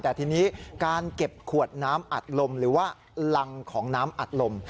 แต่ทีนี้การเก็บขวดน้ำอัดลมหรือว่ารังของน้ำอัดลม